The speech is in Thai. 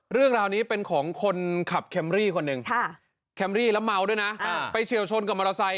เรื่องราวนี้เป็นของคนขับแคมรี่คนหนึ่งแคมรี่แล้วเมาด้วยนะไปเฉียวชนกับมอเตอร์ไซค